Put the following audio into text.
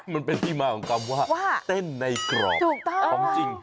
มันเป็นที่มาของคำว่าเต้นในกรอบถูกต้องของจริง